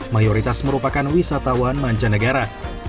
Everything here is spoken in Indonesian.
mayoritas merupakan wisatawan mancanegara